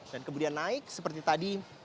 dan kemudian naik seperti tadi